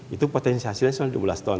itu potensi hasilnya sembilan belas ton